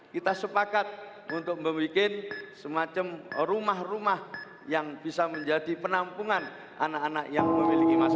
kita sepakat untuk membuat semacam rumah rumah yang bisa menjadi penampungan anak anak yang memiliki masalah